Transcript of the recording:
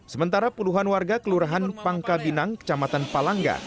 sementara puluhan warga kelurahan pangka binang kecamatan palangga